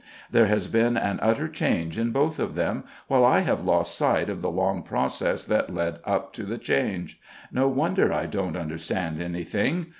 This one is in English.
There has been an utter change in both of them, while I have lost sight of the long process that led up to the change. No wonder I don't understand anything.